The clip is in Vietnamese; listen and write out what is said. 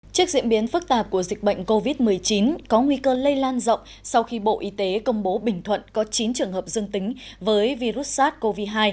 trước diễn biến phức tạp của dịch bệnh covid một mươi chín có nguy cơ lây lan rộng sau khi bộ y tế công bố bình thuận có chín trường hợp dương tính với virus sars cov hai